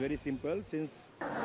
điều này rất yên tĩnh